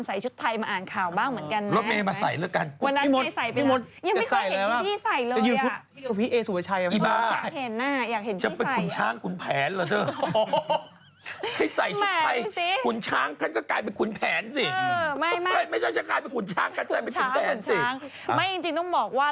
ชุดไทยมาอ่านข่าวบ้างเหมือนกันนะ